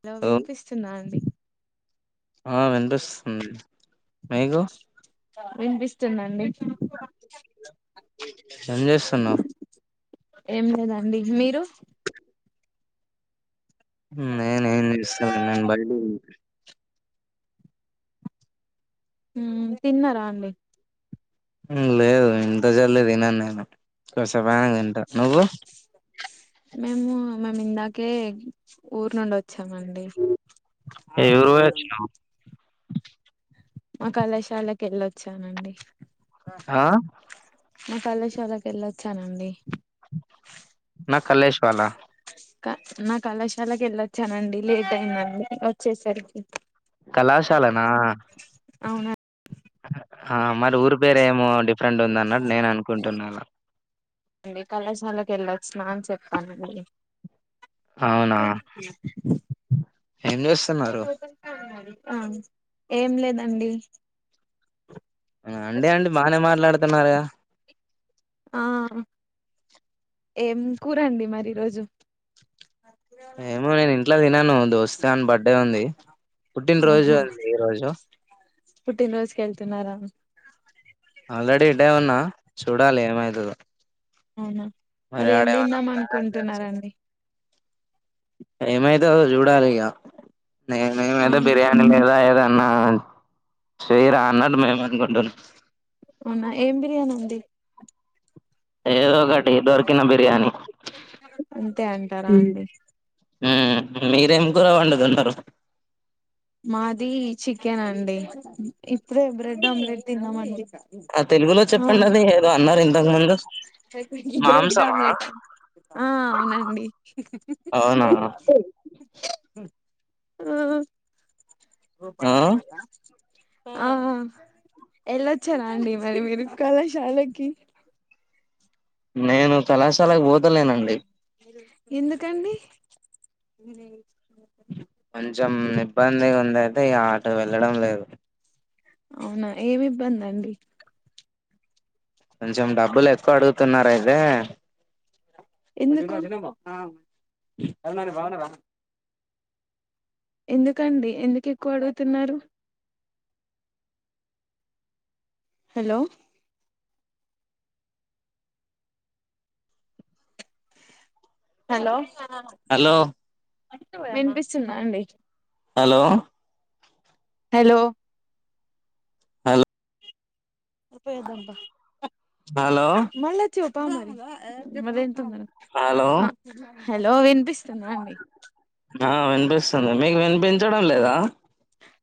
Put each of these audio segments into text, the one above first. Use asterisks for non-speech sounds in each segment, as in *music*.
Hello వినిపిస్తుందా అండి ఆ వినిపిస్తుంది మీకు వినిపిస్తుందండి *unintelligible* ఏం చేస్తున్నావ్ ఏం లేదండి మీరు మ్మ్ నిను ఏం చేస్తా నన్ని బయటకు పంపిస్తా మ్మ్ తిన్నారా అండి లేదు ఇంత జల్దీ తినను నేను కస పన తింటా నువ్వు మేము మమ్ ఇందాకే ఊర్ నుండి చమండి ఏ ఊరు పోయొచ్చు? ెళ్ళొచ్చానండి ఆ మా కళశాలకి వెళ్ళొచ్చానండి నా కలేష్ వాాలా నా కళాశాలకి వెళ్ళొచ్చానండి లేట్ అయిందండి వచ్చేసరికి కళాశాలనా అవునండి ఆ మరి ఊరి పేర ఏమో డిఫరెంట్ ఉంద అన్నట్టు నేను అనుకుంటున్నా అలా అండి కళశాలక ఎలా స్నాన్ చెప్పానండి అవునా ఏం చేస్తున్నారు ఆ ఏం లేదండి అండి అనీ బానే మాట్లాడుతున్నారుగా ఆ ఏం కూరండి మరి ఈ రోజు ఏమో నేను ఇంట్లో తినను దోస్త గాని బర్త్డే ఉంది పుట్టినరోజు అండి ఈ రోజు పుట్టిన రోజు కేళ్తనూరా ఆల్రెడీ ఇడే ఉన్నా చూడాలి ఏమవుతదో అవునా మరి ఏం తిందాం ప్లాన్ అనుకుంటున్నారండి ఏమైతేో చూడాలి ఇగ నేను ఏదో అవునా బిర్యానీ లేదా ఏద నా స్ీరా అన్నాడు మేమనుకుంటన్నా అవునా ఏం బిర్యానీ అండి ఏదో ఒకటి దొరికిన బిర్యానీ అంతే అంటారా అండి మీరేం కూర వండదున్నారు మాది చికెన్ అండి ఇప్పుడే బ్రెడ్ ఆమ్లెట్ తిన్నామండి ఆ తెలుగులో ఆ చెప్పండి అది ఏదో అన్నారు ఇంతకు ముందు బ్రెడ్డ్ మాంసమా ఆమ్లేెట్ ఆ అవునండి అవునా ఆ ఆ ఆ ఎలాొచ్చారా అండి మరి మీరు కళాశాలకి నేను కళాశాలకు బోతలేనండి ఎందుకండి కొంచెం ఇబ్బంది ఉంది అయితే ఈ ఆట వెళ్ళడం లేదు అవునా ఏమి ఇబ్బంది అండి కొంచెం డబ్బులు ఎక్కువ అడుగుతున్నార అయితే ఎందుకు ఎందుకండి ఎందుకు ఎక్కువ అడుగుతున్నారు హలో హలో హలో వినిపిస్తుందా అండి హలో హలో హల్ *unintelligible* హలో హలో హలో వినిపిస్తుంద అండి ఆ వినిపిస్తుంది మీకు వినిపించడం లేదా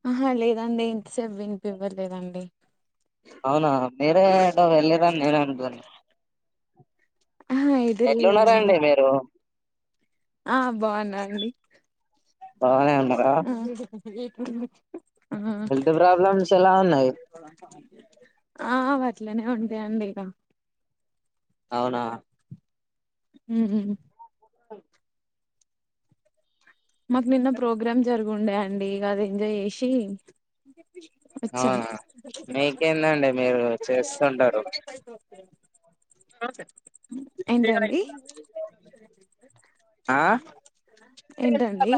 ఆహా లేదండి ఇంతసేపు వినిపివ్వలేదండి అవునా మీరే ఏంటో వెళ్లిరని నేనే అనుకున్న ఆహా ఎదుర్లేదండి ఎట్లున్నారండి మీరు ఆ బావున్నా అండి బాగానే ఉన్నారా హెల్త్ ప్రాబ్లమ్స్ ఎలా ఉన్నాయి ఆ ఆ వ అట్లనే ఉంటాయండి ఇగ అవునా ఉహూ మాకు నిన్న ప్రోగ్రామ్ జరుగుండే అండి ఇగది ఎంజాయ్ జేసి ఆ ఆ మీకేందండి మీరు చేస్తుంటారు ఏంటండి ఆ ఏంటండి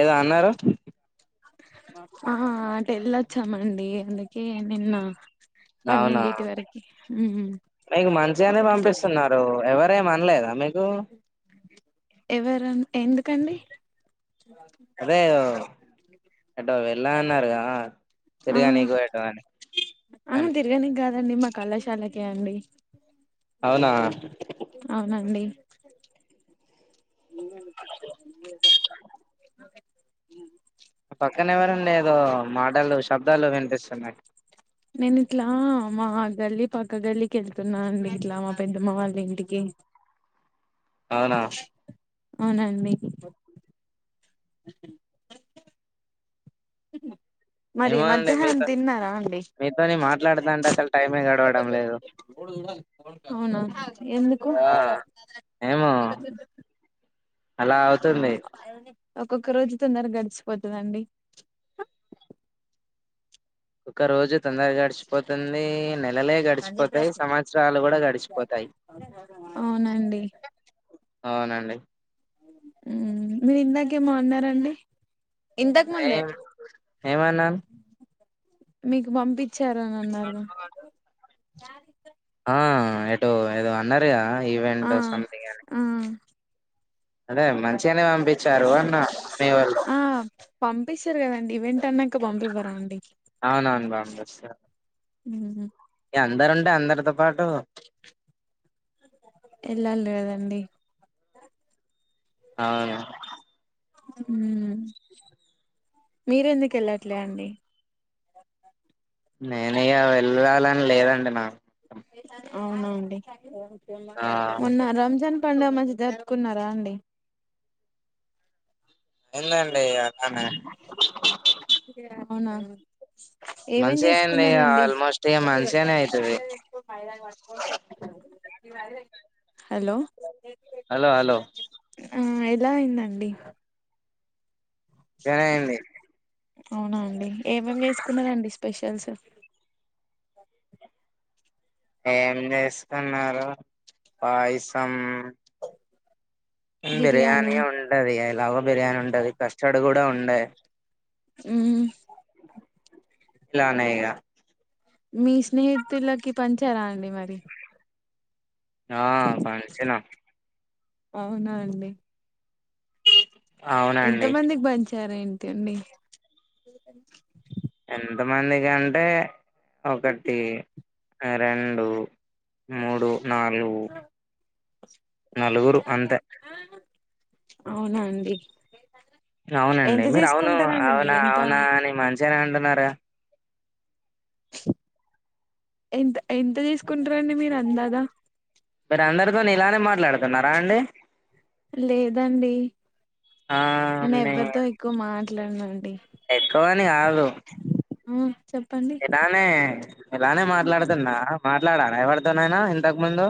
ఏదో అన్నారు వచ్చమండి అందుకే నిన్న అవునా పన్నెండింటీ వరకి ఉమ్ మీకు మంచిగానే పంపిస్తున్నారు ఎవరేమనలేదా మీకు ఎవరా ఎందుకండి *inaudible* ఎలాన్నారుగా ఆహ్ ఆహా అన్- తిరగనికి కాదండి మా కళాశాలకే అండి *inaudible* అవునా అవునండి *inaudible* పక్కన ఎవ్వరండి ఏదో మాటలు శబ్దాలు వినిపిస్తున్నాయి నేను ఇట్లా మా గల్లి పక్క గల్లికి ఏళ్తున్నా అండి ఇట్లా మా పెద్దమ్మ వాళ్ళింటికి *inaudible* అవునా అవునండి *inaudible* మరి ఏమో అండి మధ్యాహ్నం మీతో తిన్నారా అండి మీతోని మాట్లాడతాంటే అసలు టైమే గడవడం *unintelligible* లేదు అవునా ఎందుకు *unintelligible* ఆ ఏమో అలా ఆ అవుతుంది ఒక్కొక్క రోజు తొందర గడిచిపోతదండి ఒక రోజు తొందర గడిచిపోతుంది నే నెలలే గడిచిపోతాయి సంవత్సరాలు కూడా గడిచిపోతాయి అవునండి అవునండి హ్మ్ మీరు ఇందాకేమో అన్నారండి ఇంతకు ముందే ఏం ఏమన్నా మీకు పంపించారు అని అన్నారుగా ఆ ఏటో ఏదో అన్నరుగా ఈవెంట్ ఆ సమ్థింగ్ అని ఆ అదే మంచిగానే పంపించారు అన్న మీవాళ్ళు ఆ పంపిస్తారు కదండి ఈవెంట్ అన్నంనక పంపివ్వరా అండి అవునవును పంపిస్తారు ఉహు ఇగ అందరుంటే అందరితో పాటు ఎల్లాలి కదండీ అవును హ్మ్ మీరెందుకు వెళ్ళట్లే అండి నేను ఇగా వెళ్ళాలని లేదండి నాకు అవునా అండి ఆ మొన్న రంజాన్ పండుగ మంచిగా జపుకున్నారా అండి ఏం లే అండి అలానే అవునా ఏమేం మంచిగా అయింది చేసుకున్నారండి ఆల్మోస్ట్ ఇగ మంచిగానే అయితది హలో హలో హలో ఆ ఎలా అయిందండి బానే అయింది అవునా అండి ఏమేమి చేసుకున్నారండి స్పెషల్స్ ఏం చేస్కున్నారు పయసం బిర్యానీ ఉంటది ఎలాగో బిర్యానీ ఉంటది కస్టర్డ్ కూడా ఉండే ఉ ఇంట్లోనే ఇగ మీ స్నేహితులకి పంచారా అండి మరి ఆ పంచినం అవునా అండి అవునండి ఎంతమందికి పంచారు ఏంటండీ ఎంతమంది కంటే ఒకటి రెండు మూడు నాలుగు నలుగురు అంతే అవునా అండి అవునండి ఎంత మీరు అవును తీసుకుంటారండి మీరు అవునా ఎంత అవునా అని మంచిగానే అంటున్నారే ఎంత ఎంత తీసుకుంటారండి మీరు అందాగా మీర అందరితోను ఇలానే మాట్లాడుతున్నారా అండి లేదండి ఆ నేను మీ ఎవ్వరితో ఎక్కువ మాట్లాడను అండి ఎక్కువని కాదు ఇలానే ఇలానే మాట్లాడుతున్నా మాట్లాడార ఎవరితోనైనా ఇంతకు ముందు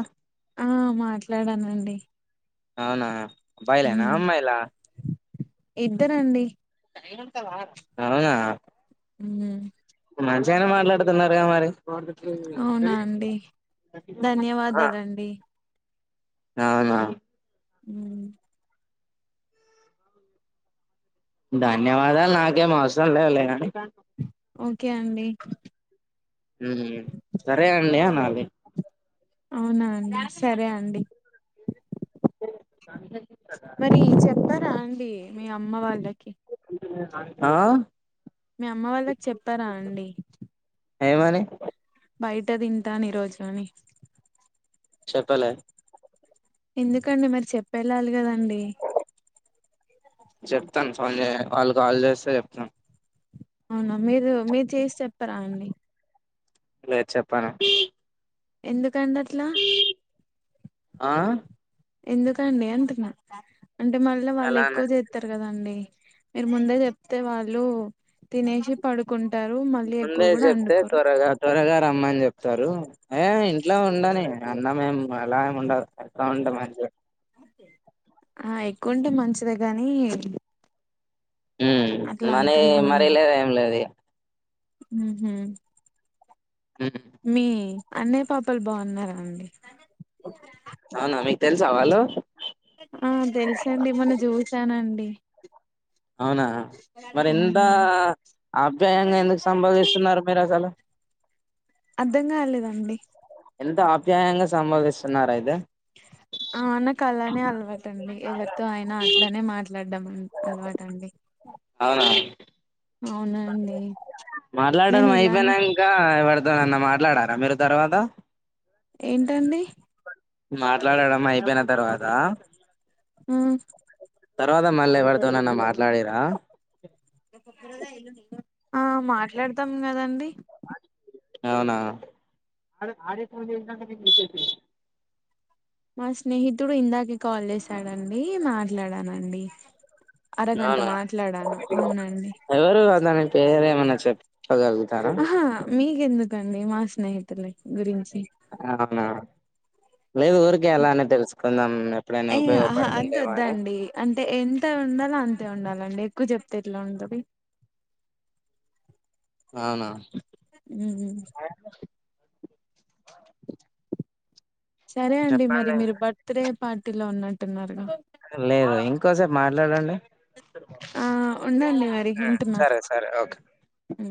ఆ మాట్లాడానండి అవున అబ్బాయి లేనా ఉమ్ అమ్మాయిలా ఇద్దరండి అవునా ఉ మంచిగానే మాట్లాడుతున్నారుగా మరి అవునా అండి హా ధన్యవాదాలండి అవునా ఉ ధన్యవాదాలు నాకేం అవసరం లేదులే కాని ఓకే అండి మ్ సరే అండి అనాలి అవునా అండి సరే అండి మరి చెప్పారా అండి మీ అమ్మ వాళ్ళకి ఆ మీ అమ్మ వాళ్ళకి చెప్పారా అండి ఏమని బయట తింటాను ఈరోజు అని చెప్పలే ఎందుకండి మీరు చెప్పెళ్ళాలి కదండి చెప్తాను ఫోన్ చే వాళ్ళు కాల్ చేస్తే చెప్తాను అవునా మీరు మీరు చేసి చెప్పారా అండి లేదు చెప్పను ఎందుకండి అట్లా ఆ ఎందుకండి అంటున్నా అంటే మళ్ళా వాళ్ళు ఎక్కువ అలానే చేత్తారు కదండి మీరు ముందే చెప్తే వాళ్ళు తినేసి పడుకుంట ముందే చెప్తే త్వరగా త్వరగా రమ్మని చెప్ తారు ఏ ఇంట్లో ఉండని అన్నం మేం అలా ఏమి ఉండదు అకౌంట్ మార్జ్ ఆ ఎక్కువ ఉంటే మంచిదే గానీ ఉ మనీ మరీ లేదు ఏం లేదు ఇగ ఉహు ఉమ్ మీ అన్నయ్య పాపలు బాగున్నారా అండి అవునా మీకు తెలుసా వాళ్ళు ఆ తెలుసండి మొన్న చూసానండి అవునా మరి ఇంత ఉమ్ ఆప్యాయంగా ఎందుకు సంబోధిస్తున్నారు మీరు అసలు అర్థం కాలేదు అండి ఎంత ఆప్యాయంగా సంబోధిస్తున్నారు అయితే అలువాట అండి ఎవరితో అయినా అట్లానే మాట్లాడ్డం అలువాట అండి అవునా మాట్లాడడం నేను ఇలానే అయిపోయినంక ఎవరు తో అన్న మాట్లాడారా మీరు తర్వాత ఏంటండి మాట్లాడడం అయిపోయిన తర్వాత ఊ తర్వాత మళ్ళ ఎవరితో నన్న మాట్లాడిర ఆ మాట్లాడతాం కదండి అవునా మా స్నేహితుడు ఇందాకే కాల్ చేశాడు అండి మాట్లాడాను అండి అవునా ఎవరు అతని పేరు ఏమన్నా చెప్పగలుగుతారా ఆహా మీకెందుకండీ మా స్నేహితుల గురించి అవునా లేదు ఊరికే అలానే తెలుసుకుందాం ఎప్పుడైనా ఏ ఆహా అంత ఉపయోగపడుతుందేమో అని వద్దండి అంటే ఎంత ఉండలో హా అంతే ఉండాలండి ఎక్కువ చెప్తే ఎట్లా ఉంటది అవునా ఉహు సరే అండి మరి చెప్పండి మీరు బర్త్ డే పార్టీలో ఉన్నట్టున్నారుగా లేదు ఇంకోసేపు మాట్లాడండి ఆ ఉండండి మరి ఉంటున్నా సరే సరే ఓకే ఉమ్.